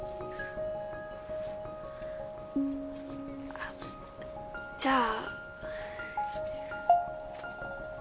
あっじゃあ。